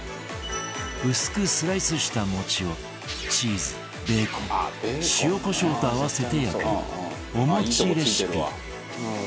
薄くスライスした餅をチーズベーコン塩コショウと合わせて焼くお餅レシピ